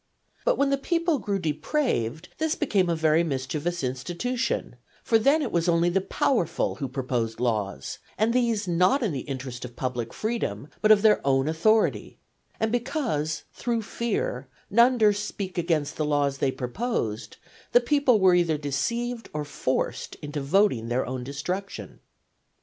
But when the people grew depraved, this became a very mischievous institution; for then it was only the powerful who proposed laws, and these not in the interest of public freedom but of their own authority; and because, through fear, none durst speak against the laws they proposed, the people were either deceived or forced into voting their own destruction.